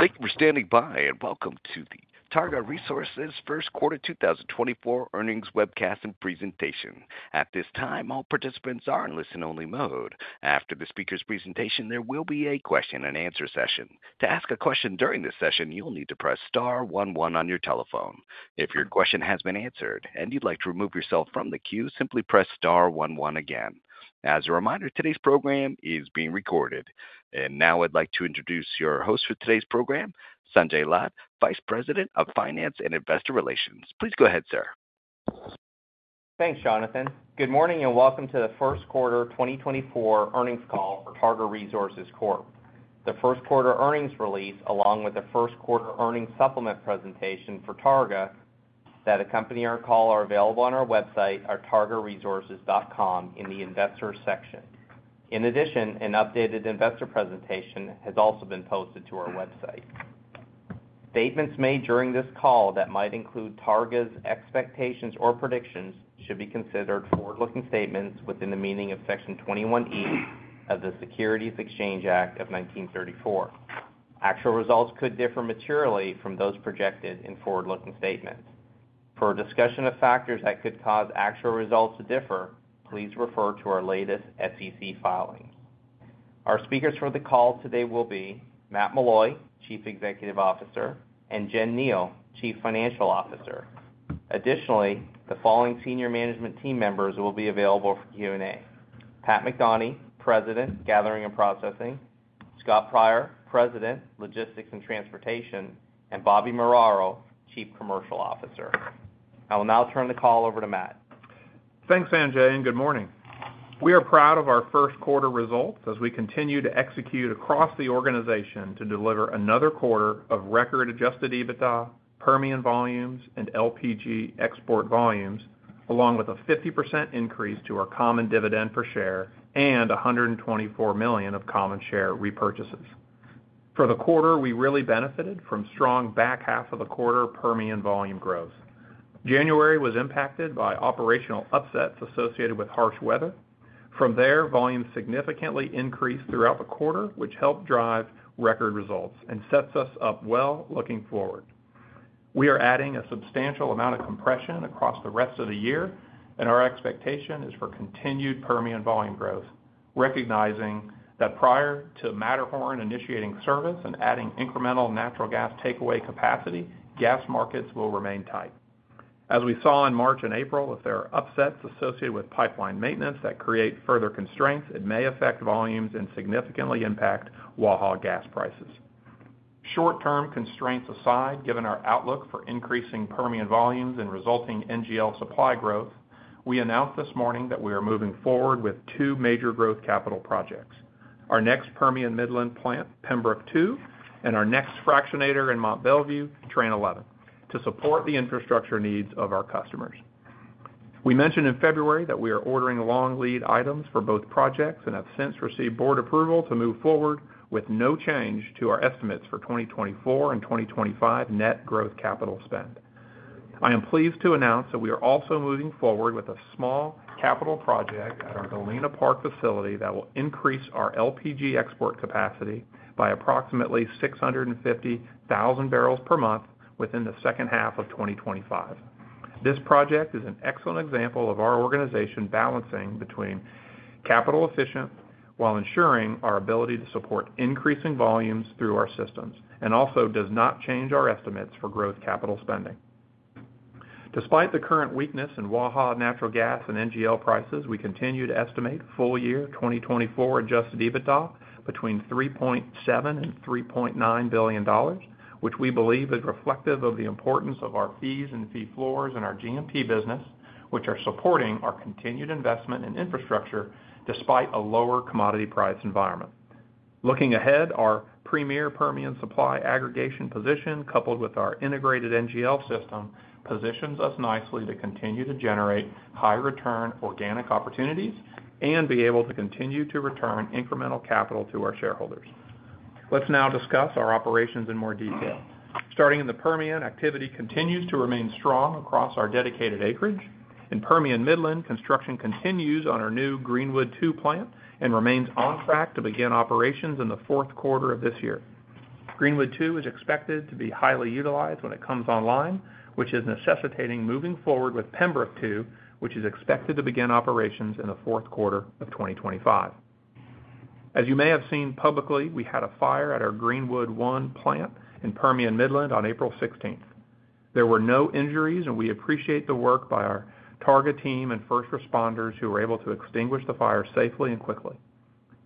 Thank you for standing by and welcome to the Targa Resources first quarter 2024 earnings webcast and presentation. At this time, all participants are in listen-only mode. After the speaker's presentation, there will be a question-and-answer session. To ask a question during this session, you'll need to press star one one on your telephone. If your question has been answered and you'd like to remove yourself from the queue, simply press star one one again. As a reminder, today's program is being recorded. Now I'd like to introduce your host for today's program, Sanjay Lad, Vice President of Finance and Investor Relations. Please go ahead, sir. Thanks, Jonathan. Good morning and welcome to the first quarter 2024 earnings call for Targa Resources Corp. The first quarter earnings release, along with the first quarter earnings supplement presentation for Targa that accompany our call, are available on our website, our targaresources.com, in the Investors section. In addition, an updated investor presentation has also been posted to our website. Statements made during this call that might include Targa's expectations or predictions should be considered forward-looking statements within the meaning of Section 21E of the Securities Exchange Act of 1934. Actual results could differ materially from those projected in forward-looking statements. For a discussion of factors that could cause actual results to differ, please refer to our latest SEC filings. Our speakers for the call today will be Matt Meloy, Chief Executive Officer, and Jen Kneale, Chief Financial Officer. Additionally, the following senior management team members will be available for Q&A: Pat McDonie, President, Gathering and Processing; Scott Pryor, President, Logistics and Transportation; and Bobby Muraro, Chief Commercial Officer. I will now turn the call over to Matt. Thanks, Sanjay, and good morning. We are proud of our first quarter results as we continue to execute across the organization to deliver another quarter of record adjusted EBITDA, Permian volumes, and LPG export volumes, along with a 50% increase to our common dividend per share and $124 million of common share repurchases. For the quarter, we really benefited from strong back half of the quarter Permian volume growth. January was impacted by operational upsets associated with harsh weather. From there, volumes significantly increased throughout the quarter, which helped drive record results and sets us up well looking forward. We are adding a substantial amount of compression across the rest of the year, and our expectation is for continued Permian volume growth, recognizing that prior to Matterhorn initiating service and adding incremental natural gas takeaway capacity, gas markets will remain tight. As we saw in March and April, if there are upsets associated with pipeline maintenance that create further constraints, it may affect volumes and significantly impact Waha gas prices. Short-term constraints aside, given our outlook for increasing Permian volumes and resulting NGL supply growth, we announced this morning that we are moving forward with two major growth capital projects: our next Permian Midland plant, Pembrook II, and our next fractionator in Mont Belvieu, Train 11, to support the infrastructure needs of our customers. We mentioned in February that we are ordering long lead items for both projects and have since received board approval to move forward with no change to our estimates for 2024 and 2025 net growth capital spend. I am pleased to announce that we are also moving forward with a small capital project at our Galena Park facility that will increase our LPG export capacity by approximately 650,000 barrels per month within the second half of 2025. This project is an excellent example of our organization balancing between capital efficient while ensuring our ability to support increasing volumes through our systems and also does not change our estimates for growth capital spending. Despite the current weakness in Waha natural gas and NGL prices, we continue to estimate full-year 2024 adjusted EBITDA between $3.7 billion-$3.9 billion, which we believe is reflective of the importance of our fees and fee floors and our G&P business, which are supporting our continued investment in infrastructure despite a lower commodity price environment. Looking ahead, our premier Permian supply aggregation position, coupled with our integrated NGL system, positions us nicely to continue to generate high-return organic opportunities and be able to continue to return incremental capital to our shareholders. Let's now discuss our operations in more detail. Starting in the Permian, activity continues to remain strong across our dedicated acreage. In Permian Midland, construction continues on our new Greenwood II plant and remains on track to begin operations in the fourth quarter of this year. Greenwood II is expected to be highly utilized when it comes online, which is necessitating moving forward with Pembrook II, which is expected to begin operations in the fourth quarter of 2025. As you may have seen publicly, we had a fire at our Greenwood I plant in Permian Midland on April 16th. There were no injuries, and we appreciate the work by our Targa team and first responders who were able to extinguish the fire safely and quickly.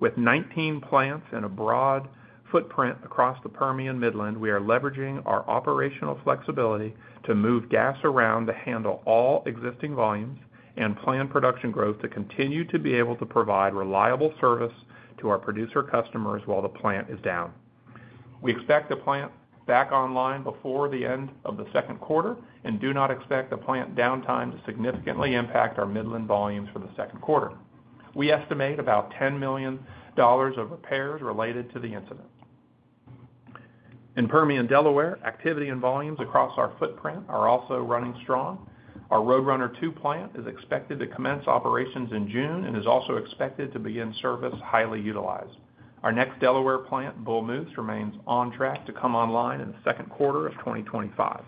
With 19 plants and a broad footprint across the Permian Midland, we are leveraging our operational flexibility to move gas around to handle all existing volumes and plan production growth to continue to be able to provide reliable service to our producer customers while the plant is down. We expect the plant back online before the end of the second quarter and do not expect the plant downtime to significantly impact our Midland volumes for the second quarter. We estimate about $10 million of repairs related to the incident. In Permian Delaware, activity and volumes across our footprint are also running strong. Our Roadrunner II plant is expected to commence operations in June and is also expected to begin service highly utilized. Our next Delaware plant, Bull Moose, remains on track to come online in the second quarter of 2025.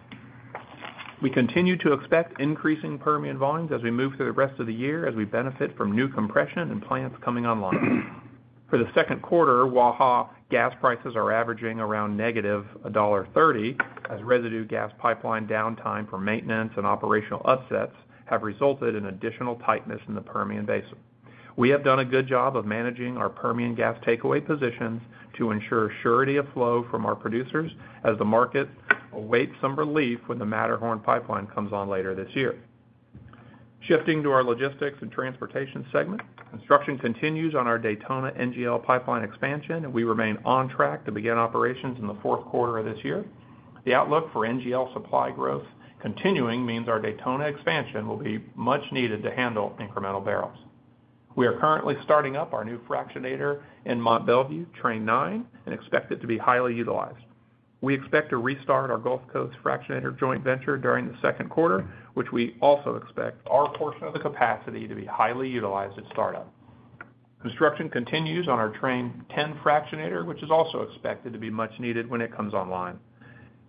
We continue to expect increasing Permian volumes as we move through the rest of the year as we benefit from new compression and plants coming online. For the second quarter, Waha gas prices are averaging around -$1.30 as residue gas pipeline downtime for maintenance and operational upsets have resulted in additional tightness in the Permian Basin. We have done a good job of managing our Permian gas takeaway positions to ensure surety of flow from our producers as the market awaits some relief when the Matterhorn pipeline comes on later this year. Shifting to our Logistics and Transportation segment, construction continues on our Daytona NGL pipeline expansion, and we remain on track to begin operations in the fourth quarter of this year. The outlook for NGL supply growth continuing means our Daytona expansion will be much needed to handle incremental barrels. We are currently starting up our new fractionator in Mont Belvieu, Train 9, and expect it to be highly utilized. We expect to restart our Gulf Coast fractionator joint venture during the second quarter, which we also expect our portion of the capacity to be highly utilized at startup. Construction continues on our Train 10 fractionator, which is also expected to be much needed when it comes online.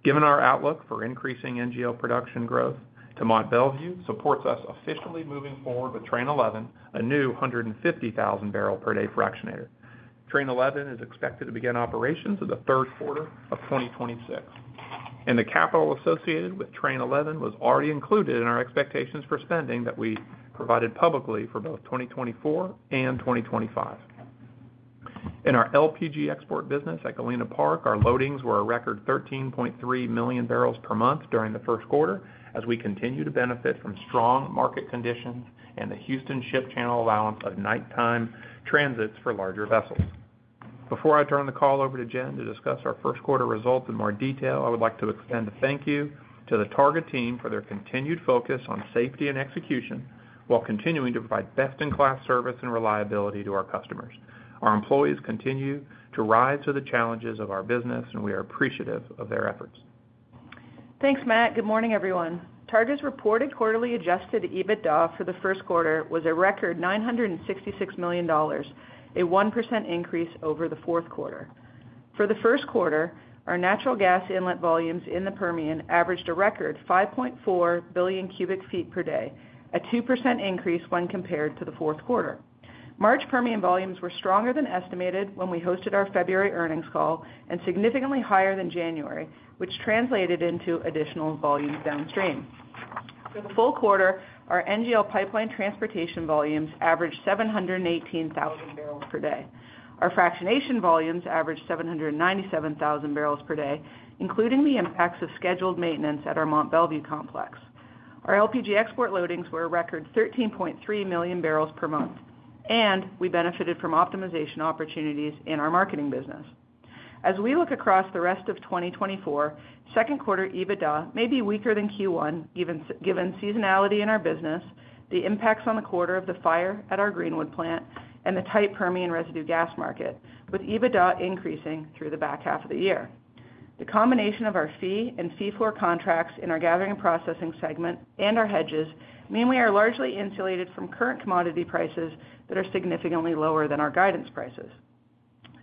Given our outlook for increasing NGL production growth to Mont Belvieu supports us officially moving forward with Train 11, a new 150,000-barrel-per-day fractionator. Train 11 is expected to begin operations in the third quarter of 2026. The capital associated with Train 11 was already included in our expectations for spending that we provided publicly for both 2024 and 2025. In our LPG export business at Galena Park, our loadings were a record 13.3 million barrels per month during the first quarter as we continue to benefit from strong market conditions and the Houston Ship Channel allowance of nighttime transits for larger vessels. Before I turn the call over to Jen to discuss our first quarter results in more detail, I would like to extend a thank you to the Targa team for their continued focus on safety and execution while continuing to provide best-in-class service and reliability to our customers. Our employees continue to rise to the challenges of our business, and we are appreciative of their efforts. Thanks, Matt. Good morning, everyone. Targa's reported quarterly adjusted EBITDA for the first quarter was a record $966 million, a 1% increase over the fourth quarter. For the first quarter, our natural gas inlet volumes in the Permian averaged a record 5.4 billion cubic feet per day, a 2% increase when compared to the fourth quarter. March Permian volumes were stronger than estimated when we hosted our February earnings call and significantly higher than January, which translated into additional volumes downstream. For the full quarter, our NGL pipeline transportation volumes averaged 718,000 barrels per day. Our fractionation volumes averaged 797,000 barrels per day, including the impacts of scheduled maintenance at our Mont Belvieu complex. Our LPG export loadings were a record 13.3 million barrels per month, and we benefited from optimization opportunities in our marketing business. As we look across the rest of 2024, second quarter EBITDA may be weaker than Q1 given seasonality in our business, the impacts on the quarter of the fire at our Greenwood plant, and the tight Permian residue gas market, with EBITDA increasing through the back half of the year. The combination of our fee and fee floor contracts in our Gathering and Processing segment and our hedges mean we are largely insulated from current commodity prices that are significantly lower than our guidance prices.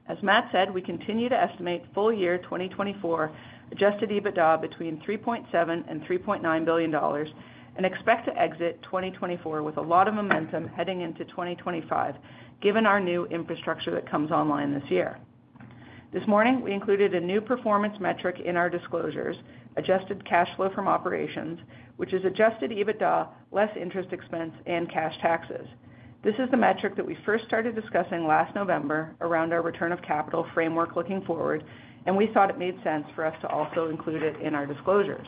As Matt said, we continue to estimate full-year 2024 Adjusted EBITDA between $3.7 billion and $3.9 billion and expect to exit 2024 with a lot of momentum heading into 2025 given our new infrastructure that comes online this year. This morning, we included a new performance metric in our disclosures, adjusted cash flow from operations, which is Adjusted EBITDA, less interest expense, and cash taxes. This is the metric that we first started discussing last November around our return of capital framework looking forward, and we thought it made sense for us to also include it in our disclosures.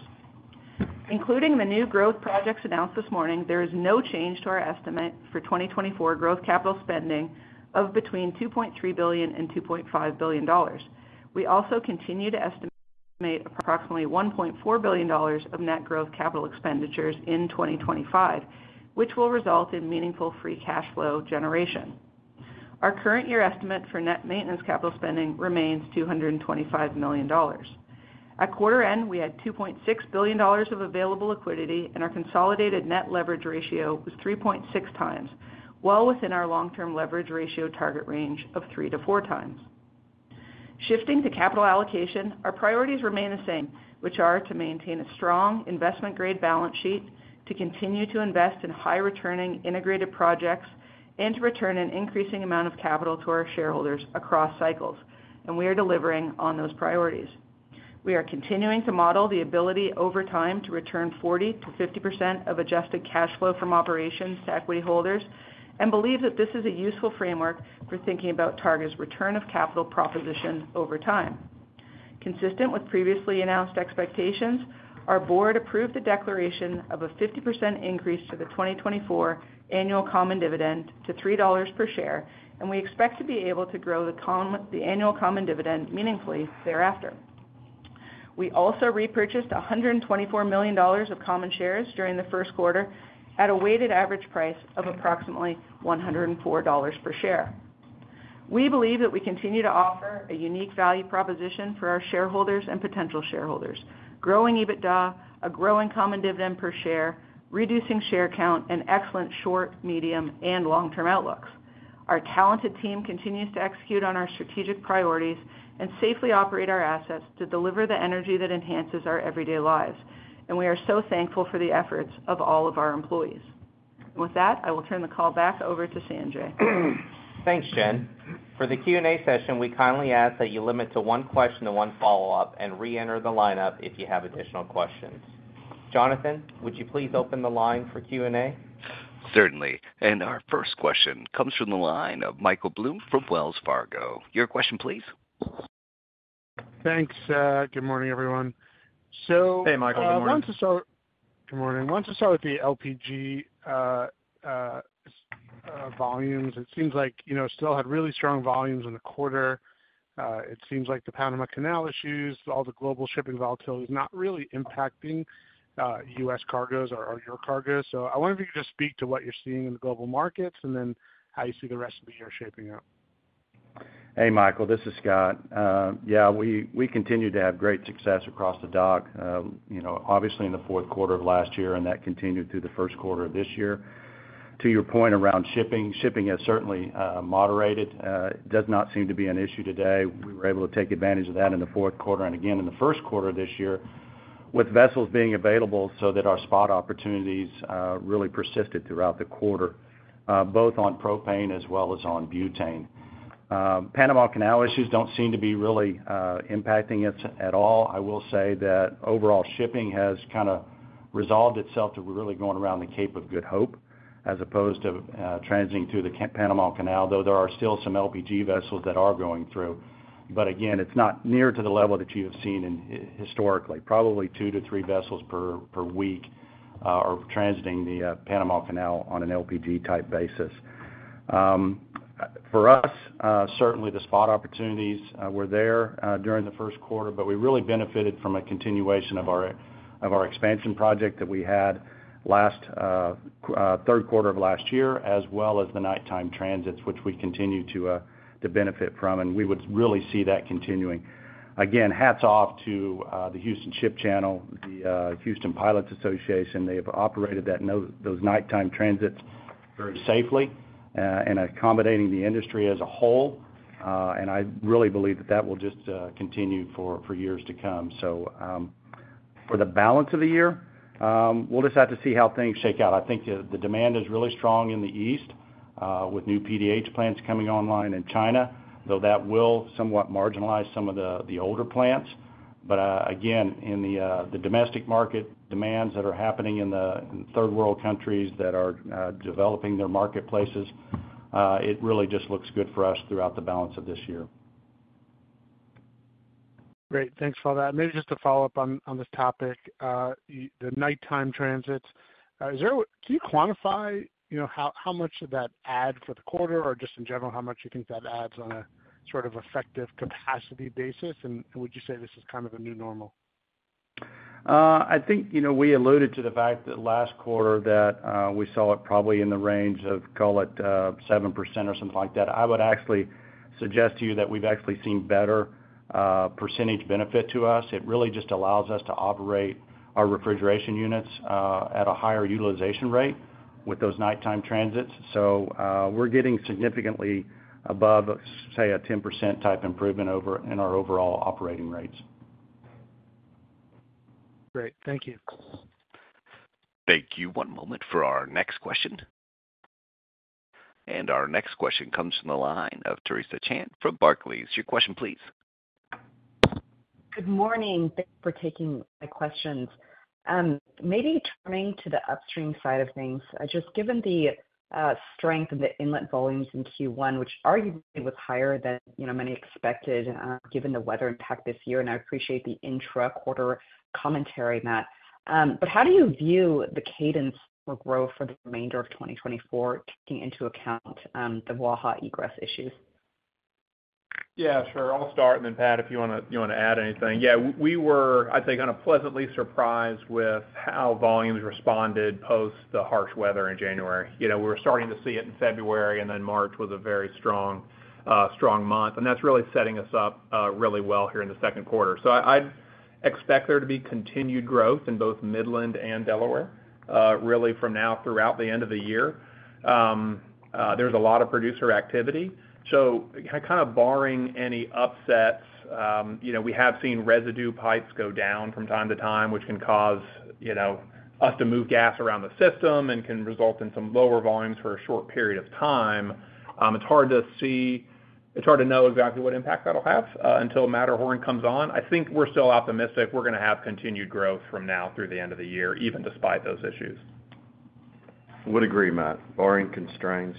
Including the new growth projects announced this morning, there is no change to our estimate for 2024 growth capital spending of between $2.3 billion-$2.5 billion. We also continue to estimate approximately $1.4 billion of net growth capital expenditures in 2025, which will result in meaningful free cash flow generation. Our current year estimate for net maintenance capital spending remains $225 million. At quarter end, we had $2.6 billion of available liquidity, and our consolidated net leverage ratio was 3.6 times, well within our long-term leverage ratio target range of 3-4 times. Shifting to capital allocation, our priorities remain the same, which are to maintain a strong investment-grade balance sheet, to continue to invest in high-returning integrated projects, and to return an increasing amount of capital to our shareholders across cycles. We are delivering on those priorities. We are continuing to model the ability over time to return 40%-50% of adjusted cash flow from operations to equity holders and believe that this is a useful framework for thinking about Targa's return of capital proposition over time. Consistent with previously announced expectations, our board approved the declaration of a 50% increase to the 2024 annual common dividend to $3 per share, and we expect to be able to grow the annual common dividend meaningfully thereafter. We also repurchased $124 million of common shares during the first quarter at a weighted average price of approximately $104 per share. We believe that we continue to offer a unique value proposition for our shareholders and potential shareholders, growing EBITDA, a growing common dividend per share, reducing share count, and excellent short, medium, and long-term outlooks. Our talented team continues to execute on our strategic priorities and safely operate our assets to deliver the energy that enhances our everyday lives. We are so thankful for the efforts of all of our employees. With that, I will turn the call back over to Sanjay. Thanks, Jen. For the Q&A session, we kindly ask that you limit to one question and one follow-up and re-enter the lineup if you have additional questions. Jonathan, would you please open the line for Q&A? Certainly. Our first question comes from the line of Michael Blum from Wells Fargo. Your question, please. Thanks. Good morning, everyone Hey, Michael. Good morning. Want to start - good morning. Want to start with the LPG volumes. It seems like still had really strong volumes in the quarter. It seems like the Panama Canal issues, all the global shipping volatility, is not really impacting U.S. cargoes or your cargo. So I wonder if you could just speak to what you're seeing in the global markets and then how you see the rest of the year shaping up. Hey, Michael. This is Scott. Yeah, we continue to have great success across the dock, obviously in the fourth quarter of last year, and that continued through the first quarter of this year. To your point around shipping, shipping has certainly moderated. It does not seem to be an issue today. We were able to take advantage of that in the fourth quarter and again in the first quarter of this year, with vessels being available so that our spot opportunities really persisted throughout the quarter, both on propane as well as on butane. Panama Canal issues don't seem to be really impacting us at all. I will say that overall shipping has kind of resolved itself to really going around the Cape of Good Hope as opposed to transiting through the Panama Canal, though there are still some LPG vessels that are going through. But again, it's not near to the level that you have seen historically. Probably two to three vessels per week are transiting the Panama Canal on an LPG-type basis. For us, certainly, the spot opportunities were there during the first quarter, but we really benefited from a continuation of our expansion project that we had last third quarter of last year as well as the nighttime transits, which we continue to benefit from, and we would really see that continuing. Again, hats off to the Houston Ship Channel, the Houston Pilots Association. They have operated those nighttime transits very safely and accommodating the industry as a whole. I really believe that that will just continue for years to come. So for the balance of the year, we'll just have to see how things shake out. I think the demand is really strong in the east with new PDH plants coming online in China, though that will somewhat marginalize some of the older plants. But again, in the domestic market, demands that are happening in the third world countries that are developing their marketplaces, it really just looks good for us throughout the balance of this year. Great. Thanks for all that. Maybe just to follow up on this topic, the nighttime transits, can you quantify how much that adds for the quarter or just in general how much you think that adds on a sort of effective capacity basis? Would you say this is kind of a new normal? I think we alluded to the fact that last quarter that we saw it probably in the range of, call it, 7% or something like that. I would actually suggest to you that we've actually seen better percentage benefit to us. It really just allows us to operate our refrigeration units at a higher utilization rate with those nighttime transits. So we're getting significantly above, say, a 10% type improvement in our overall operating rates. Great. Thank you. Thank you. One moment for our next question. Our next question comes from the line of Theresa Chen from Barclays. Your question, please. Good morning. Thanks for taking my questions. Maybe turning to the upstream side of things, just given the strength of the inlet volumes in Q1, which arguably was higher than many expected given the weather impact this year, and I appreciate the intra-quarter commentary, Matt. But how do you view the cadence for growth for the remainder of 2024, taking into account the Waha egress issues? Yeah, sure. I'll start, and then Pat, if you want to add anything. Yeah, we were, I'd say, kind of pleasantly surprised with how volumes responded post the harsh weather in January. We were starting to see it in February, and then March was a very strong month. And that's really setting us up really well here in the second quarter. So I'd expect there to be continued growth in both Midland and Delaware, really, from now throughout the end of the year. There's a lot of producer activity. So kind of barring any upsets, we have seen residue pipes go down from time to time, which can cause us to move gas around the system and can result in some lower volumes for a short period of time. It's hard to know exactly what impact that'll have until Matterhorn comes on. I think we're still optimistic, we're going to have continued growth from now through the end of the year, even despite those issues. I would agree, Matt. Barring constraints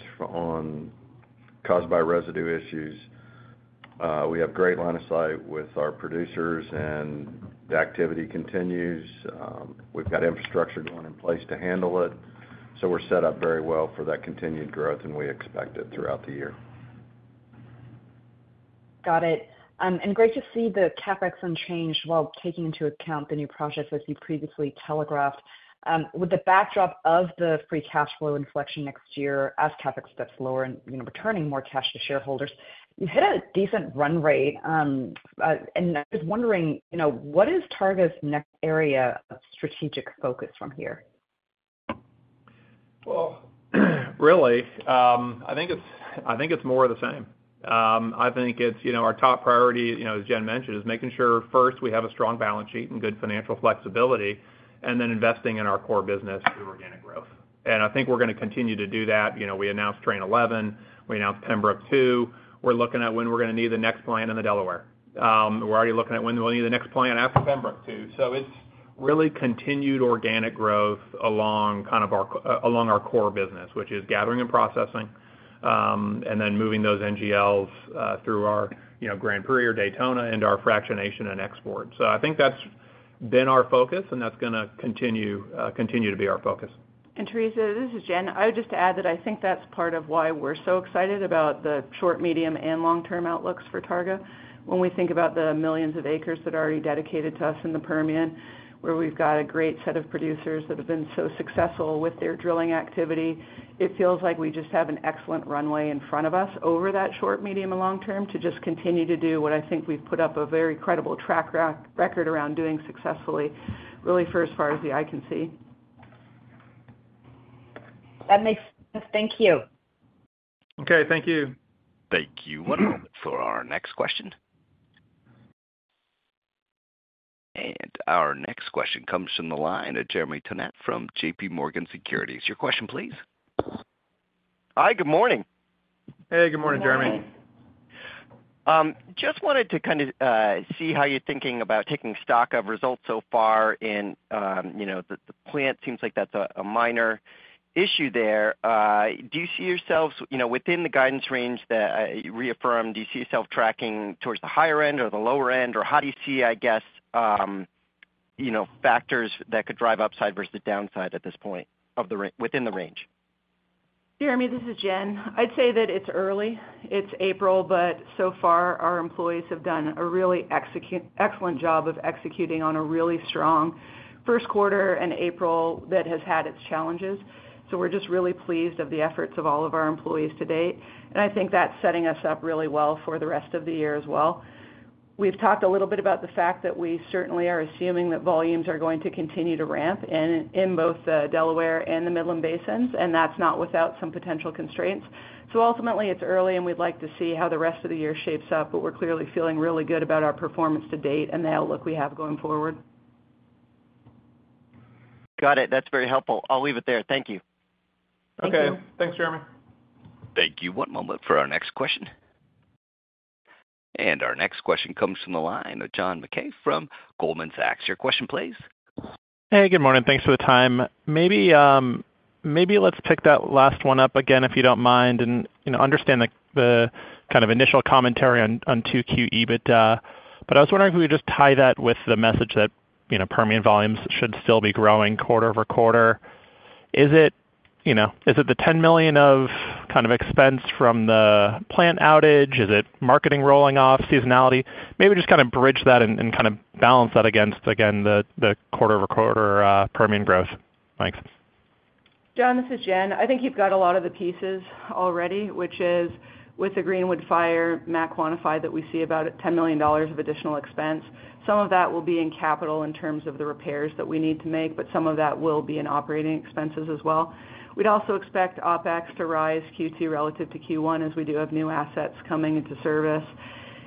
caused by residue issues, we have great line of sight with our producers, and the activity continues. We've got infrastructure going in place to handle it. So we're set up very well for that continued growth, and we expect it throughout the year. Got it. Great to see the CapEx unchanged while taking into account the new projects as you previously telegraphed. With the backdrop of the free cash flow inflection next year as CapEx steps lower and returning more cash to shareholders, you hit a decent run rate. I was wondering, what is Targa's next area of strategic focus from here? Well, really, I think it's more of the same. I think our top priority, as Jen mentioned, is making sure first we have a strong balance sheet and good financial flexibility, and then investing in our core business through organic growth. I think we're going to continue to do that. We announced Train 11. We announced Pembrook II. We're looking at when we're going to need the next plant in the Delaware. We're already looking at when we'll need the next plant after Pembrook II. So it's really continued organic growth along kind of our core business, which is gathering and processing and then moving those NGLs through our Grand Prix, Daytona, and our fractionation and export. So I think that's been our focus, and that's going to continue to be our focus. Theresa, this is Jen. I would just add that I think that's part of why we're so excited about the short, medium, and long-term outlooks for Targa. When we think about the millions of acres that are already dedicated to us in the Permian, where we've got a great set of producers that have been so successful with their drilling activity, it feels like we just have an excellent runway in front of us over that short, medium, and long-term to just continue to do what I think we've put up a very credible track record around doing successfully, really, for as far as the eye can see. That makes sense. Thank you. Okay. Thank you. Thank you. One moment for our next question. Our next question comes from the line of Jeremy Tonet from JPMorgan Securities. Your question, please. Hi. Good morning. Hey. Good morning, Jeremy. Good morning. Just wanted to kind of see how you're thinking about taking stock of results so far in the plant. Seems like that's a minor issue there. Do you see yourselves within the guidance range that I reaffirm? Do you see yourself tracking towards the higher end or the lower end, or how do you see, I guess, factors that could drive upside versus the downside at this point within the range? Jeremy, this is Jen. I'd say that it's early. It's April, but so far, our employees have done a really excellent job of executing on a really strong first quarter and April that has had its challenges. So we're just really pleased with the efforts of all of our employees to date. And I think that's setting us up really well for the rest of the year as well. We've talked a little bit about the fact that we certainly are assuming that volumes are going to continue to ramp in both the Delaware and the Midland Basins, and that's not without some potential constraints. So ultimately, it's early, and we'd like to see how the rest of the year shapes up, but we're clearly feeling really good about our performance to date and the outlook we have going forward. Got it. That's very helpful. I'll leave it there. Thank you. Okay. Thanks, Jeremy. Thank you. One moment for our next question. Our next question comes from the line of John Mackay from Goldman Sachs. Your question, please. Hey. Good morning. Thanks for the time. Maybe let's pick that last one up again, if you don't mind, and understand the kind of initial commentary on 2Q EBITDA. I was wondering if we could just tie that with the message that Permian volumes should still be growing quarter-over-quarter. Is it the $10 million of kind of expense from the plant outage? Is it marketing rolling off, seasonality? Maybe just kind of bridge that and kind of balance that against, again, the quarter-over-quarter Permian growth. Mike. John, this is Jen. I think you've got a lot of the pieces already, which is with the Greenwood fire. Matt quantified that we see about $10 million of additional expense. Some of that will be in capital in terms of the repairs that we need to make, but some of that will be in operating expenses as well. We'd also expect OpEx to rise Q2 relative to Q1 as we do have new assets coming into service.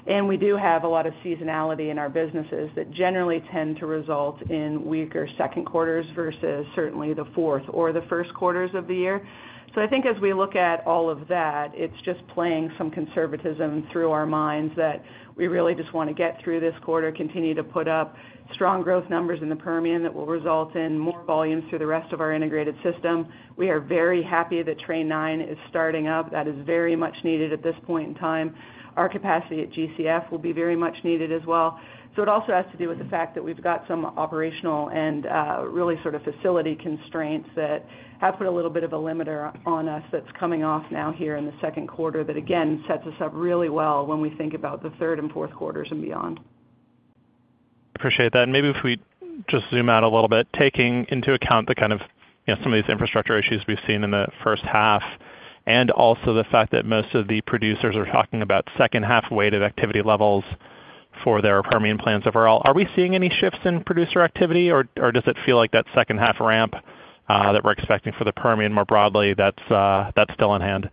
And we do have a lot of seasonality in our businesses that generally tend to result in weaker second quarters versus certainly the fourth or the first quarters of the year. So I think as we look at all of that, it's just playing some conservatism through our minds that we really just want to get through this quarter, continue to put up strong growth numbers in the Permian that will result in more volumes through the rest of our integrated system. We are very happy that Train 9 is starting up. That is very much needed at this point in time. Our capacity at GCF will be very much needed as well. So it also has to do with the fact that we've got some operational and really sort of facility constraints that have put a little bit of a limiter on us that's coming off now here in the second quarter that, again, sets us up really well when we think about the third and fourth quarters and beyond. Appreciate that. And maybe if we just zoom out a little bit, taking into account the kind of some of these infrastructure issues we've seen in the first half and also the fact that most of the producers are talking about second-half weighted activity levels for their Permian plans overall, are we seeing any shifts in producer activity, or does it feel like that second-half ramp that we're expecting for the Permian more broadly, that's still in hand?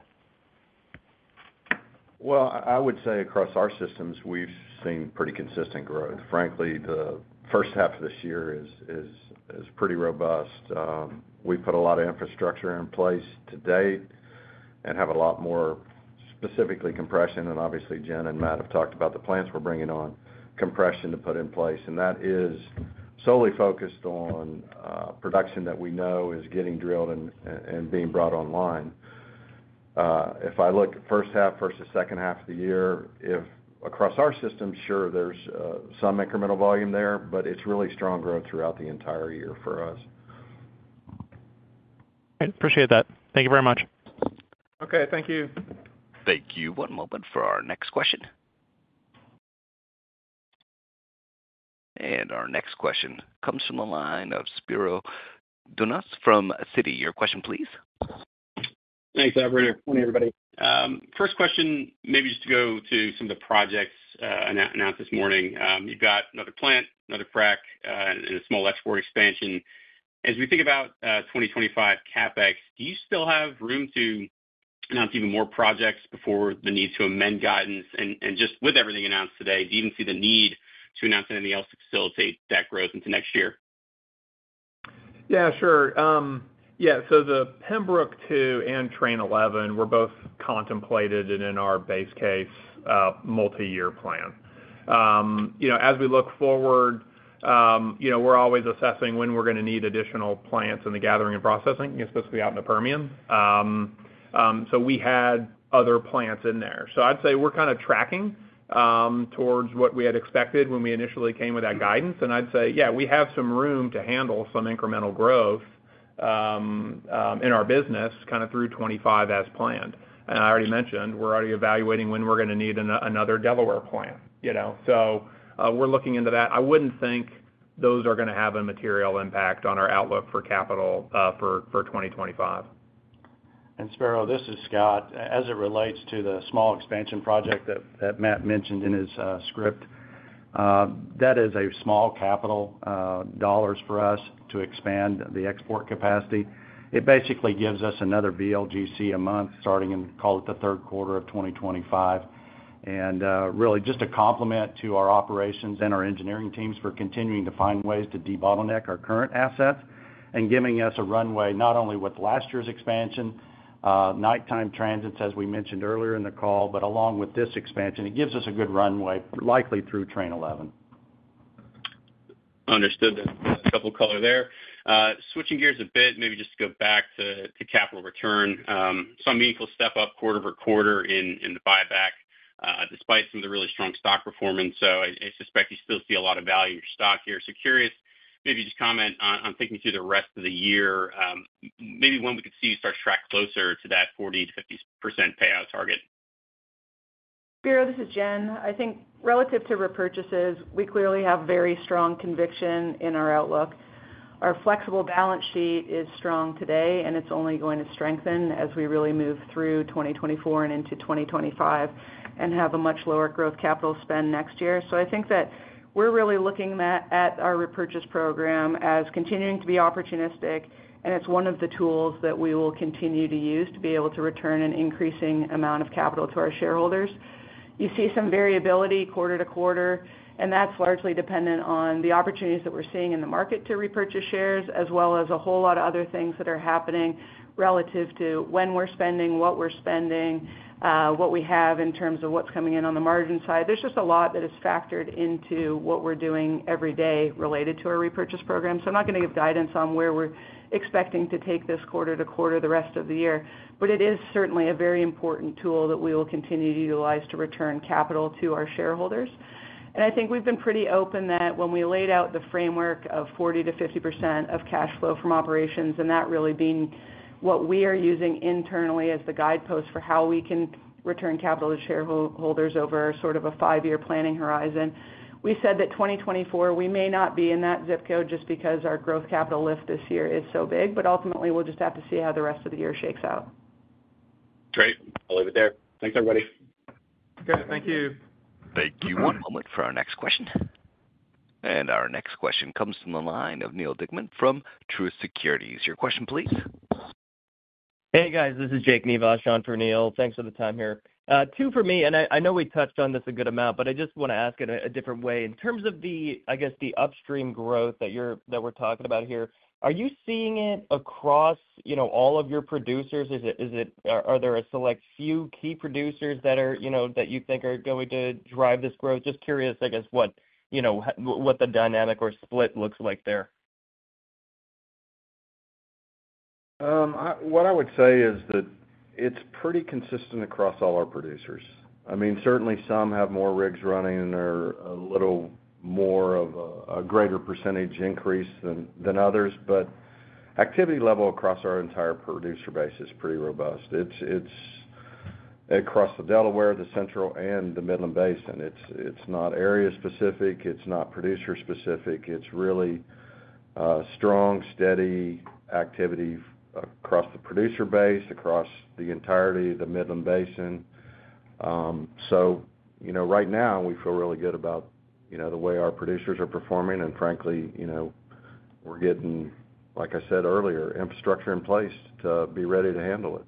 Well, I would say across our systems, we've seen pretty consistent growth. Frankly, the first half of this year is pretty robust. We've put a lot of infrastructure in place to date and have a lot more specifically compression. And obviously, Jen and Matt have talked about the plants we're bringing on, compression to put in place. That is solely focused on production that we know is getting drilled and being brought online. If I look at first half versus second half of the year, across our system, sure, there's some incremental volume there, but it's really strong growth throughout the entire year for us. I appreciate that. Thank you very much. Okay. Thank you. Thank you. One moment for our next question. Our next question comes from the line of Spiro Dounis from Citi. Your question, please. Thanks, operator. Morning, everybody. First question, maybe just to go to some of the projects announced this morning. You've got another plant, another frac, and a small export expansion. As we think about 2025 CapEx, do you still have room to announce even more projects before the need to amend guidance? And just with everything announced today, do you even see the need to announce anything else to facilitate that growth into next year? Yeah, sure. Yeah. So the Pembrook II and Train 11 were both contemplated and in our base case multi-year plan. As we look forward, we're always assessing when we're going to need additional plants in the gathering and processing, especially out in the Permian. So we had other plants in there. So I'd say we're kind of tracking towards what we had expected when we initially came with that guidance. And I'd say, yeah, we have some room to handle some incremental growth in our business kind of through 2025 as planned. And I already mentioned, we're already evaluating when we're going to need another Delaware plant. So we're looking into that. I wouldn't think those are going to have a material impact on our outlook for capital for 2025. Spiro, this is Scott. As it relates to the small expansion project that Matt mentioned in his script, that is a small capital dollars for us to expand the export capacity. It basically gives us another VLGC a month starting in, call it, the third quarter of 2025. And really, just a complement to our operations and our engineering teams for continuing to find ways to debottleneck our current assets and giving us a runway not only with last year's expansion, nighttime transits, as we mentioned earlier in the call, but along with this expansion, it gives us a good runway, likely through Train 11. Understood. That couple of color there. Switching gears a bit, maybe just to go back to capital return. Some meaningful step-up quarter-over-quarter in the buyback despite some of the really strong stock performance. So I suspect you still see a lot of value in your stock here. So curious, maybe just comment on thinking through the rest of the year, maybe when we could see you start to track closer to that 40%-50% payout target. Spiro, this is Jen. I think relative to repurchases, we clearly have very strong conviction in our outlook. Our flexible balance sheet is strong today, and it's only going to strengthen as we really move through 2024 and into 2025 and have a much lower growth capital spend next year. So I think that we're really looking at our repurchase program as continuing to be opportunistic, and it's one of the tools that we will continue to use to be able to return an increasing amount of capital to our shareholders. You see some variability quarter-to-quarter, and that's largely dependent on the opportunities that we're seeing in the market to repurchase shares as well as a whole lot of other things that are happening relative to when we're spending, what we're spending, what we have in terms of what's coming in on the margin side. There's just a lot that is factored into what we're doing every day related to our repurchase program. So I'm not going to give guidance on where we're expecting to take this quarter to quarter, the rest of the year. But it is certainly a very important tool that we will continue to utilize to return capital to our shareholders. And I think we've been pretty open that when we laid out the framework of 40%-50% of cash flow from operations and that really being what we are using internally as the guidepost for how we can return capital to shareholders over sort of a five-year planning horizon, we said that 2024, we may not be in that zip code just because our growth capital lift this year is so big. But ultimately, we'll just have to see how the rest of the year shakes out. Great. I'll leave it there. Thanks, everybody. Okay. Thank you. Thank you. One moment for our next question. Our next question comes from the line of Neal Dingmann from Truist Securities. Your question, please. Hey, guys. This is Jake Nivasch on for Neal. Thanks for the time here. Two for me. And I know we touched on this a good amount, but I just want to ask it a different way. In terms of, I guess, the upstream growth that we're talking about here, are you seeing it across all of your producers? Are there a select few key producers that you think are going to drive this growth? Just curious, I guess, what the dynamic or split looks like there. What I would say is that it's pretty consistent across all our producers. I mean, certainly, some have more rigs running and are a little more of a greater percentage increase than others. But activity level across our entire producer base is pretty robust across the Delaware, the Central, and the Midland Basin. It's not area-specific. It's not producer-specific. It's really strong, steady activity across the producer base, across the entirety of the Midland Basin. So right now, we feel really good about the way our producers are performing. And frankly, we're getting, like I said earlier, infrastructure in place to be ready to handle it.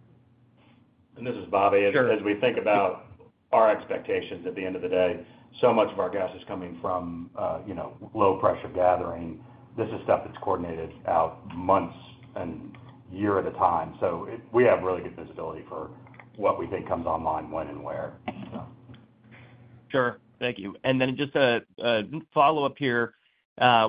This is Bobby. As we think about our expectations at the end of the day, so much of our gas is coming from low-pressure gathering. This is stuff that's coordinated out months and year at a time. So we have really good visibility for what we think comes online when and where, so. Sure. Thank you. And then just a follow-up here.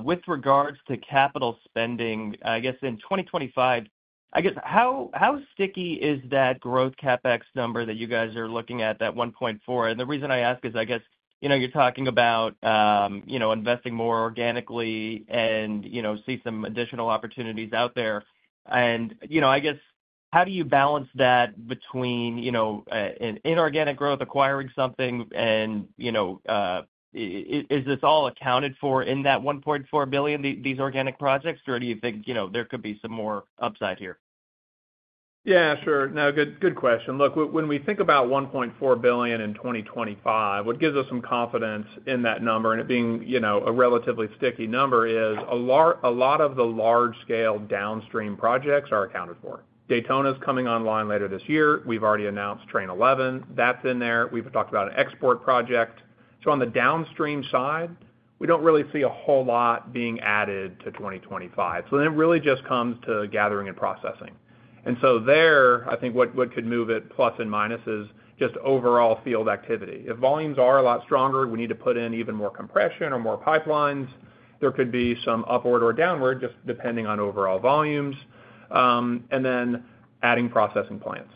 With regards to capital spending, I guess, in 2025, I guess, how sticky is that growth CapEx number that you guys are looking at, that 1.4? And the reason I ask is, I guess, you're talking about investing more organically and see some additional opportunities out there. And I guess, how do you balance that between inorganic growth, acquiring something, and is this all accounted for in that $1.4 billion, these organic projects, or do you think there could be some more upside here? Yeah, sure. No, good question. Look, when we think about $1.4 billion in 2025, what gives us some confidence in that number and it being a relatively sticky number is a lot of the large-scale downstream projects are accounted for. Daytona's coming online later this year. We've already announced Train 11. That's in there. We've talked about an export project. So on the downstream side, we don't really see a whole lot being added to 2025. So then it really just comes to gathering and processing. And so there, I think what could move it plus and minus is just overall field activity. If volumes are a lot stronger, we need to put in even more compression or more pipelines. There could be some upward or downward just depending on overall volumes and then adding processing plants.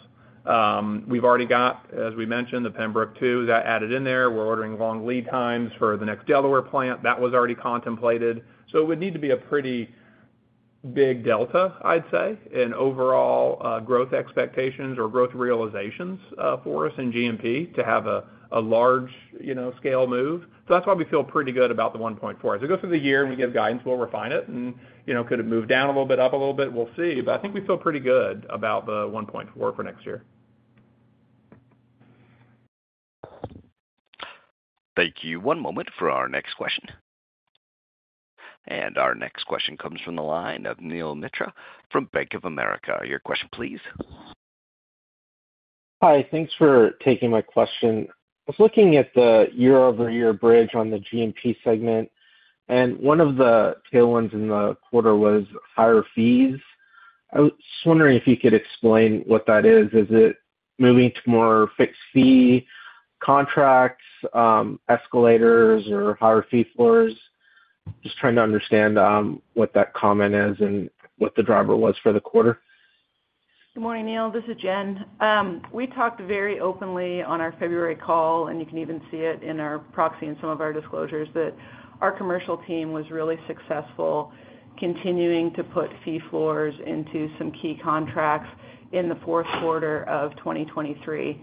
We've already got, as we mentioned, the Pembrook II. That added in there. We're ordering long lead times for the next Delaware plant. That was already contemplated. So it would need to be a pretty big delta, I'd say, in overall growth expectations or growth realizations for us in G&P to have a large-scale move. So that's why we feel pretty good about the 1.4. As we go through the year and we give guidance, we'll refine it. And could it move down a little bit, up a little bit? We'll see. But I think we feel pretty good about the 1.4 for next year. Thank you. One moment for our next question. Our next question comes from the line of Neel Mitra from Bank of America. Your question, please. Hi. Thanks for taking my question. I was looking at the year-over-year bridge on the G&P segment. One of the tailwinds in the quarter was higher fees. I was just wondering if you could explain what that is. Is it moving to more fixed-fee contracts, escalators, or higher fee floors? Just trying to understand what that comment is and what the driver was for the quarter. Good morning, Neel. This is Jen. We talked very openly on our February call, and you can even see it in our proxy and some of our disclosures, that our commercial team was really successful continuing to put fee floors into some key contracts in the fourth quarter of 2023.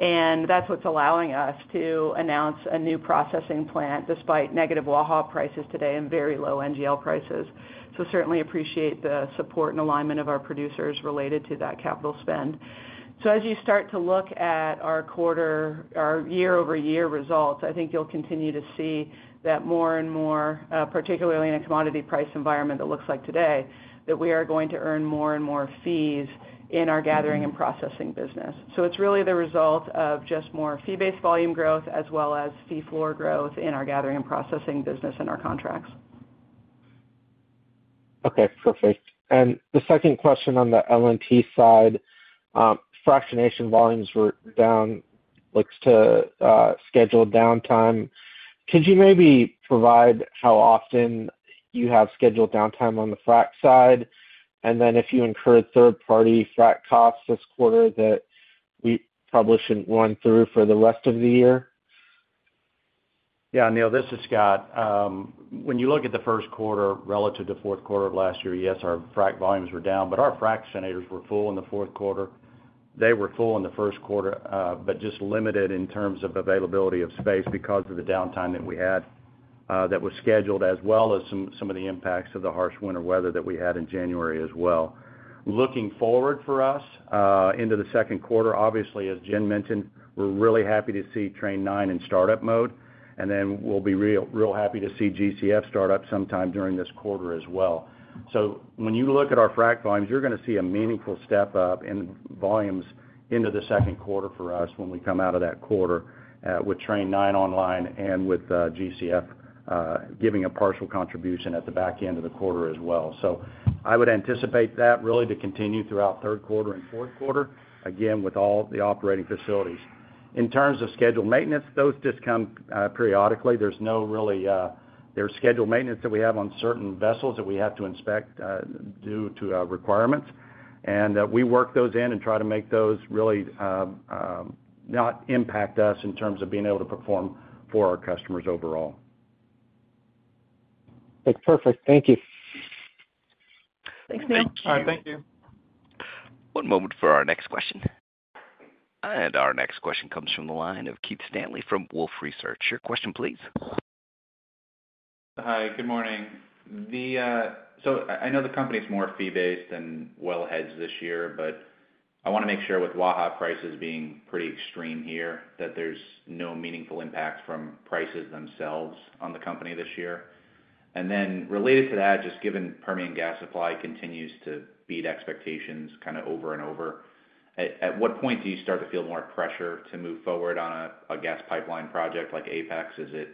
That's what's allowing us to announce a new processing plant despite negative Waha prices today and very low NGL prices. Certainly appreciate the support and alignment of our producers related to that capital spend. As you start to look at our year-over-year results, I think you'll continue to see that more and more, particularly in a commodity price environment that looks like today, that we are going to earn more and more fees in our Gathering and Processing business. It's really the result of just more fee-based volume growth as well as fee floor growth in our Gathering and Processing business and our contracts. Okay. Perfect. And the second question on the L&T side, fractionation volumes were down, looks to schedule downtime. Could you maybe provide how often you have scheduled downtime on the frac side? And then if you incurred third-party frac costs this quarter that we probably shouldn't run through for the rest of the year? Yeah, Neel. This is Scott. When you look at the first quarter relative to fourth quarter of last year, yes, our frac volumes were down. But our fractionators were full in the fourth quarter. They were full in the first quarter, but just limited in terms of availability of space because of the downtime that we had that was scheduled as well as some of the impacts of the harsh winter weather that we had in January as well. Looking forward for us into the second quarter, obviously, as Jen mentioned, we're really happy to see Train 9 in startup mode. And then we'll be real happy to see GCF start up sometime during this quarter as well. So when you look at our frac volumes, you're going to see a meaningful step up in volumes into the second quarter for us when we come out of that quarter with Train 9 online and with GCF giving a partial contribution at the back end of the quarter as well. So I would anticipate that really to continue throughout third quarter and fourth quarter, again, with all the operating facilities. In terms of scheduled maintenance, those just come periodically. There's scheduled maintenance that we have on certain vessels that we have to inspect due to requirements. And we work those in and try to make those really not impact us in terms of being able to perform for our customers overall. That's perfect. Thank you. Thanks, Neil. Thank you. One moment for our next question. Our next question comes from the line of Keith Stanley from Wolfe Research. Your question, please. Hi. Good morning. I know the company's more fee-based than wellheads this year, but I want to make sure with Waha prices being pretty extreme here that there's no meaningful impact from prices themselves on the company this year. Then related to that, just given Permian gas supply continues to beat expectations kind of over and over, at what point do you start to feel more pressure to move forward on a gas pipeline project like Apex? Do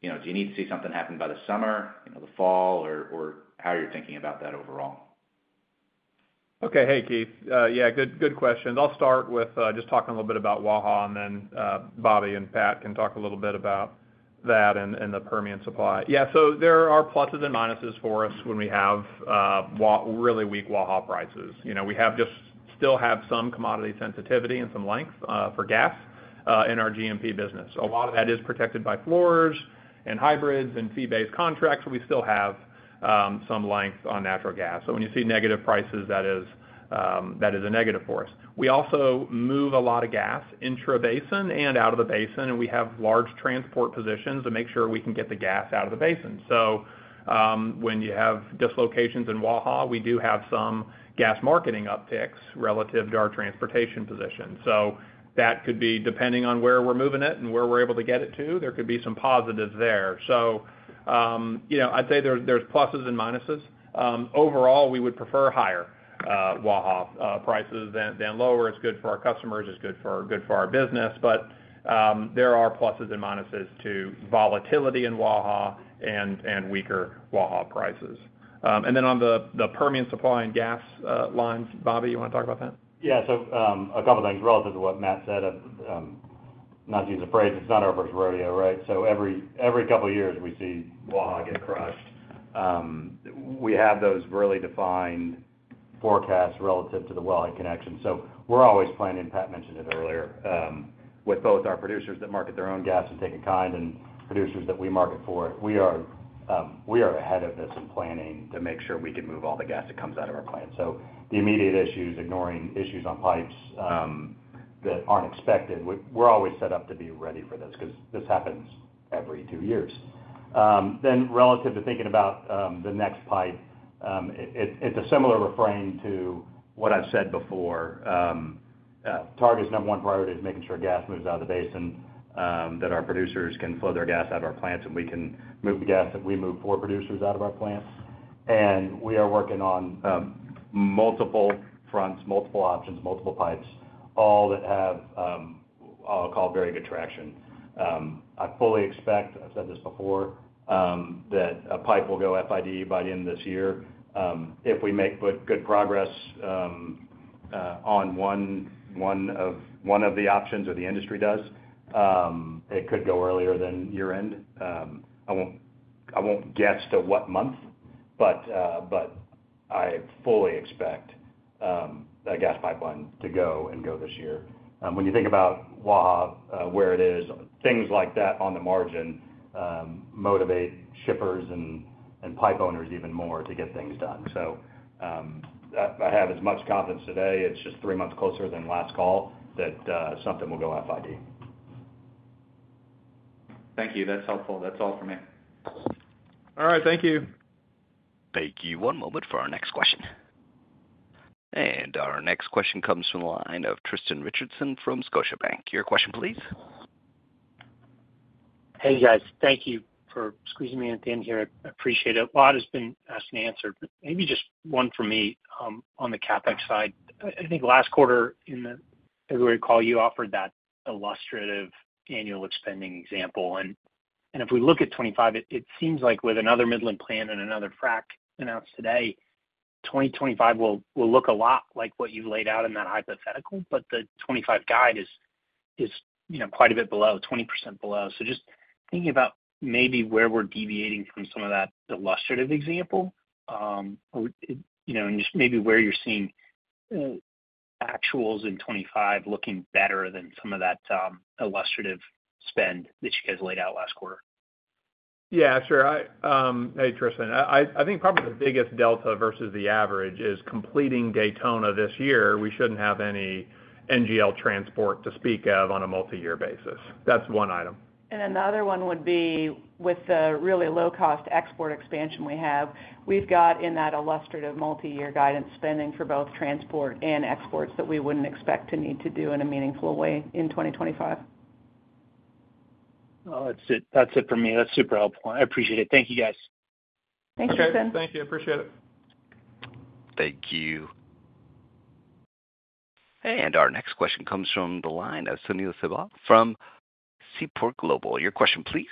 you need to see something happen by the summer, the fall, or how are you thinking about that overall? Okay. Hey, Keith. Yeah, good question. I'll start with just talking a little bit about Waha, and then Bobby and Pat can talk a little bit about that and the Permian supply. Yeah. There are pluses and minuses for us when we have really weak Waha prices. We still have some commodity sensitivity and some length for gas in our G&P business. A lot of that is protected by floors and hybrids and fee-based contracts. We still have some length on natural gas. So when you see negative prices, that is a negative for us. We also move a lot of gas intra-basin and out of the basin, and we have large transport positions to make sure we can get the gas out of the basin. So when you have dislocations in Waha, we do have some gas marketing upticks relative to our transportation position. So that could be depending on where we're moving it and where we're able to get it to, there could be some positives there. So I'd say there's pluses and minuses. Overall, we would prefer higher Waha prices than lower. It's good for our customers. It's good for our business. But there are pluses and minuses to volatility in Waha and weaker Waha prices. And then on the Permian Supply and gas lines, Bobby, you want to talk about that? Yeah. So a couple of things relative to what Matt said. Not to use a phrase. It's not our first rodeo, right? So every couple of years, we see Waha get crushed. We have those really defined forecasts relative to the wellheads connection. So we're always planning - Pat mentioned it earlier - with both our producers that market their own gas and take it in kind and producers that we market for it. We are ahead of this in planning to make sure we can move all the gas that comes out of our plant. So the immediate issues, ignoring issues on pipes that aren't expected, we're always set up to be ready for this because this happens every two years. Then relative to thinking about the next pipe, it's a similar refrain to what I've said before. Targa's number one priority is making sure gas moves out of the basin, that our producers can flow their gas out of our plants, and we can move the gas that we move for producers out of our plants. We are working on multiple fronts, multiple options, multiple pipes, all that have, I'll call, very good traction. I fully expect—I've said this before—that a pipe will go FID by the end of this year. If we make good progress on one of the options or the industry does, it could go earlier than year-end. I won't guess to what month, but I fully expect a gas pipeline to go FID this year. When you think about Waha, where it is, things like that on the margin motivate shippers and pipe owners even more to get things done. I have as much confidence today it's just three months closer than last call, that something will go FID. Thank you. That's helpful. That's all from me. All right. Thank you. Thank you. One moment for our next question. Our next question comes from the line of Tristan Richardson from Scotiabank. Your question, please. Hey, guys. Thank you for squeezing me in at the end here. I appreciate it. A lot has been asked and answered, but maybe just one for me on the CapEx side. I think last quarter in the February call, you offered that illustrative annual spending example. And if we look at 2025, it seems like with another Midland plant and another frac announced today, 2025 will look a lot like what you've laid out in that hypothetical, but the 2025 guide is quite a bit below, 20% below. So just thinking about maybe where we're deviating from some of that illustrative example and just maybe where you're seeing actuals in 2025 looking better than some of that illustrative spend that you guys laid out last quarter. Yeah, sure. Hey, Tristan. I think probably the biggest delta versus the average is completing Daytona this year. We shouldn't have any NGL transport to speak of on a multiyear basis. That's one item. Another one would be with the really low-cost export expansion we have, we've got in that illustrative multiyear guidance spending for both transport and exports that we wouldn't expect to need to do in a meaningful way in 2025. That's it. That's it from me. That's super helpful. I appreciate it. Thank you, guys. Thanks, Tristan. Okay. Thank you. I appreciate it. Thank you. Our next question comes from the line of Sunil Sibal from Seaport Global. Your question, please.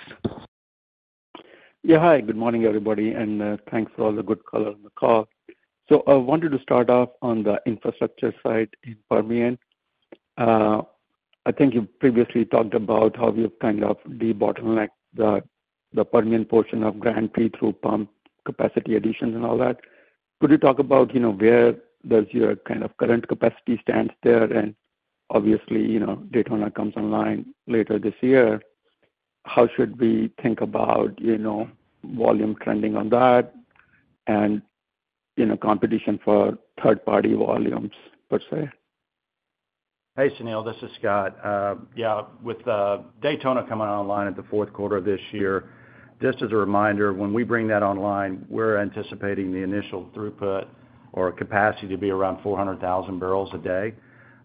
Yeah. Hi. Good morning, everybody. Thanks for all the good color on the call. I wanted to start off on the infrastructure side in Permian. I think you previously talked about how you've kind of debottlenecked the Permian portion of Grand Prix through pump capacity additions and all that. Could you talk about where does your kind of current capacity stand there? Obviously, Daytona comes online later this year. How should we think about volume trending on that and competition for third-party volumes, per se? Hey, Sunil. This is Scott. Yeah. With Daytona coming online at the fourth quarter of this year, just as a reminder, when we bring that online, we're anticipating the initial throughput or capacity to be around 400,000 barrels a day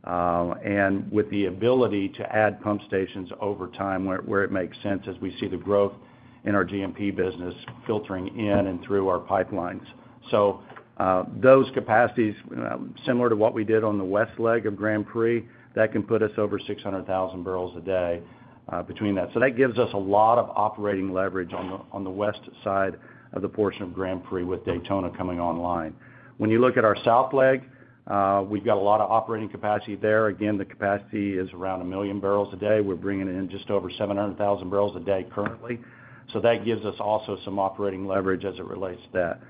and with the ability to add pump stations over time where it makes sense as we see the growth in our G&P business filtering in and through our pipelines. So those capacities, similar to what we did on the west leg of Grand Prix, that can put us over 600,000 barrels a day between that. So that gives us a lot of operating leverage on the west side of the portion of Grand Prix with Daytona coming online. When you look at our south leg, we've got a lot of operating capacity there. Again, the capacity is around 1 million barrels a day. We're bringing in just over 700,000 barrels a day currently. So that gives us also some operating leverage as it relates to that.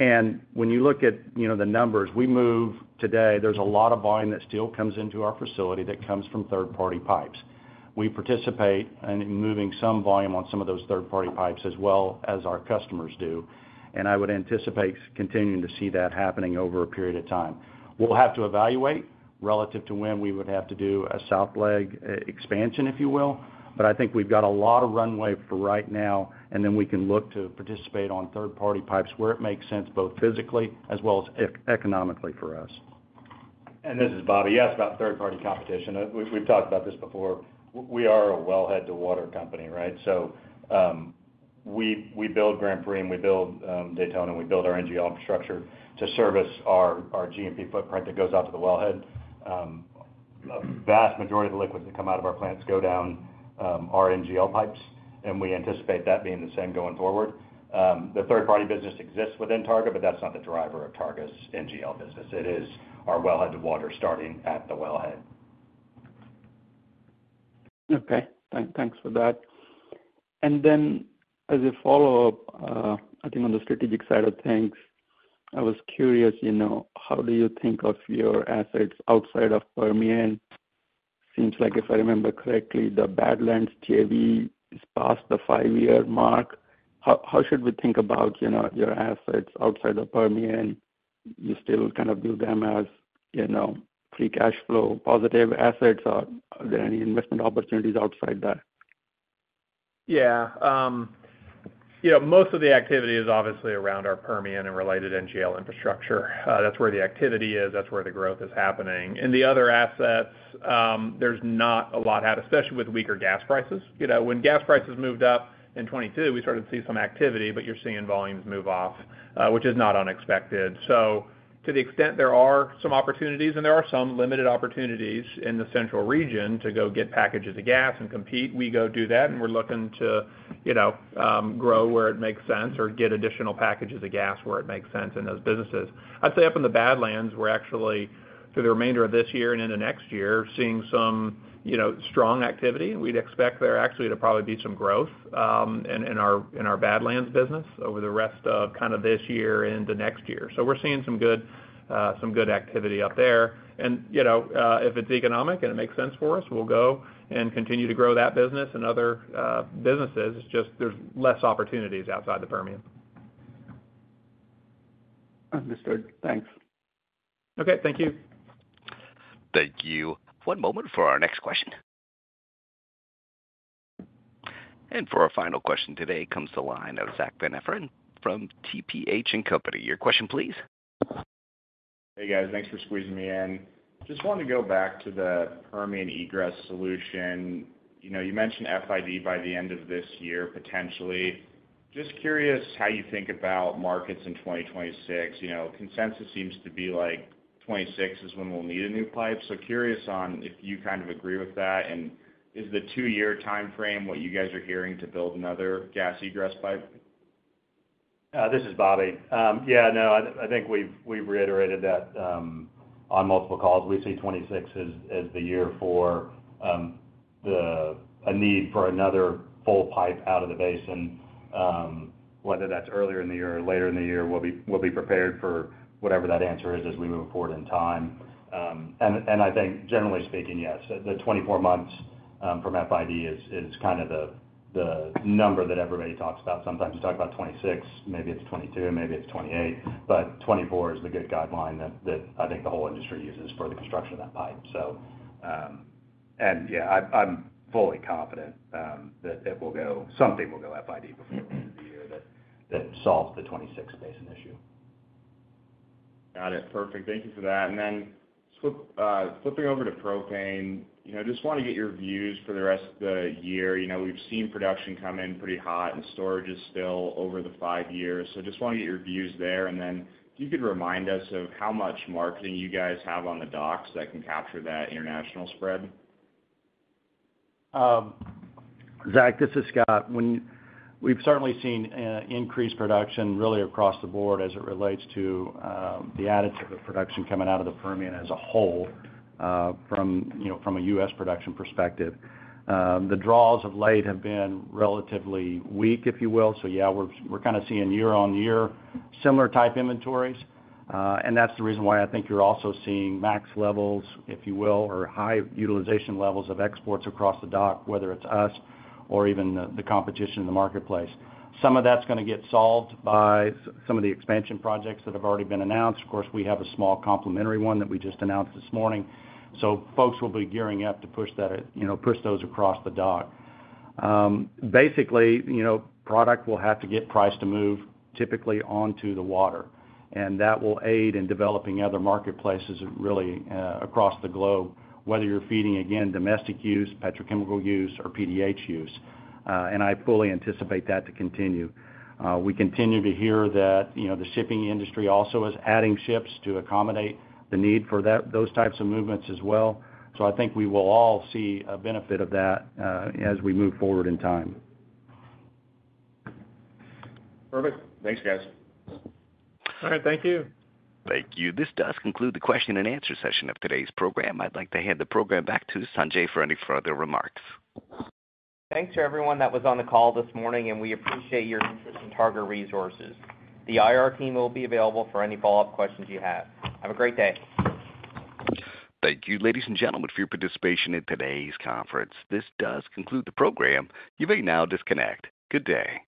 And when you look at the numbers, we move today. There's a lot of volume that still comes into our facility that comes from third-party pipes. We participate in moving some volume on some of those third-party pipes as well as our customers do. And I would anticipate continuing to see that happening over a period of time. We'll have to evaluate relative to when we would have to do a south leg expansion, if you will. But I think we've got a lot of runway for right now, and then we can look to participate on third-party pipes where it makes sense, both physically as well as economically for us. And this is Bobby. Yes, about third-party competition. We've talked about this before. We are a wellhead-to-water company, right? So we build Grand Prix, and we build Daytona, and we build our NGL infrastructure to service our G&P footprint that goes out to the wellhead. A vast majority of the liquids that come out of our plants go down our NGL pipes, and we anticipate that being the same going forward. The third-party business exists within Targa, but that's not the driver of Targa's NGL business. It is our wellhead-to-water starting at the wellhead. Okay. Thanks for that. Then as a follow-up, I think on the strategic side of things, I was curious, how do you think of your assets outside of Permian? Seems like, if I remember correctly, the Badlands JV is past the five-year mark. How should we think about your assets outside of Permian? You still kind of view them as free cash flow positive assets, or are there any investment opportunities outside that? Yeah. Most of the activity is obviously around our Permian and related NGL infrastructure. That's where the activity is. That's where the growth is happening. In the other assets, there's not a lot out, especially with weaker gas prices. When gas prices moved up in 2022, we started to see some activity, but you're seeing volumes move off, which is not unexpected. So to the extent there are some opportunities and there are some limited opportunities in the central region to go get packages of gas and compete, we go do that, and we're looking to grow where it makes sense or get additional packages of gas where it makes sense in those businesses. I'd say up in the Badlands, we're actually, for the remainder of this year and into next year, seeing some strong activity. We'd expect there actually to probably be some growth in our Badlands business over the rest of kind of this year into next year. So we're seeing some good activity up there. And if it's economic and it makes sense for us, we'll go and continue to grow that business and other businesses. It's just there's less opportunities outside the Permian. Understood. Thanks. Okay. Thank you. Thank you. One moment for our next question. For our final question today comes the line of Zach Van Everen from TPH and Company. Your question, please. Hey, guys. Thanks for squeezing me in. Just wanted to go back to the Permian egress solution. You mentioned FID by the end of this year, potentially. Just curious how you think about markets in 2026. Consensus seems to be like 2026 is when we'll need a new pipe. So curious on if you kind of agree with that. And is the two-year timeframe what you guys are hearing to build another gas egress pipe? This is Bobby. Yeah. No. I think we've reiterated that on multiple calls. We see 2026 as the year for a need for another full pipe out of the basin. Whether that's earlier in the year or later in the year, we'll be prepared for whatever that answer is as we move forward in time. I think, generally speaking, yes. The 24 months from FID is kind of the number that everybody talks about sometimes. You talk about 2026. Maybe it's 2022. Maybe it's 2028. But 2024 is the good guideline that I think the whole industry uses for the construction of that pipe, so. Yeah, I'm fully confident that something will go FID before the end of the year that solves the 2026 basin issue. Got it. Perfect. Thank you for that. And then flipping over to propane, just want to get your views for the rest of the year. We've seen production come in pretty hot, and storage is still over the five years. So just want to get your views there. And then if you could remind us of how much marketing you guys have on the docks that can capture that international spread. Zach, this is Scott. We've certainly seen increased production really across the board as it relates to the additive of production coming out of the Permian as a whole from a U.S. production perspective. The draws of late have been relatively weak, if you will. So yeah, we're kind of seeing year-on-year similar type inventories. And that's the reason why I think you're also seeing max levels, if you will, or high utilization levels of exports across the dock, whether it's us or even the competition in the marketplace. Some of that's going to get solved by some of the expansion projects that have already been announced. Of course, we have a small complementary one that we just announced this morning. So folks will be gearing up to push those across the dock. Basically, product will have to get priced to move typically onto the water. That will aid in developing other marketplaces really across the globe, whether you're feeding, again, domestic use, petrochemical use, or PDH use. And I fully anticipate that to continue. We continue to hear that the shipping industry also is adding ships to accommodate the need for those types of movements as well. So I think we will all see a benefit of that as we move forward in time. Perfect. Thanks, guys. All right. Thank you. Thank you. This does conclude the question-and-answer session of today's program. I'd like to hand the program back to Sanjay for any further remarks. Thanks to everyone that was on the call this morning, and we appreciate your interest in Targa Resources. The IR team will be available for any follow-up questions you have. Have a great day. Thank you, ladies and gentlemen, for your participation in today's conference. This does conclude the program. You may now disconnect. Good day.